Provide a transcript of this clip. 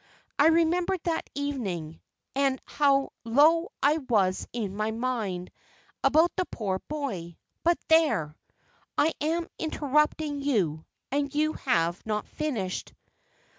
I remember that evening, and how low I was in my mind about the poor boy. But there! I am interrupting you, and you have not finished."